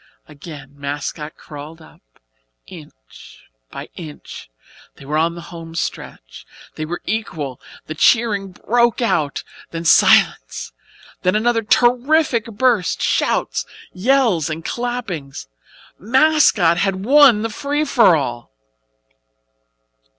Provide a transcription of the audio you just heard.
Again "Mascot" crawled up, inch by inch. They were on the home stretch, they were equal, the cheering broke out, then silence, then another terrific burst, shouts, yells and clappings "Mascot" had won the free for all.